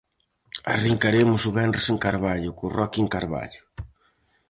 Arrincaremos o venres en Carballo, co rockin'Carballo.